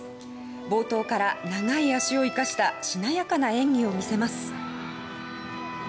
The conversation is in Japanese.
冒頭から長い脚を活かしたしなやかな演技を見せます。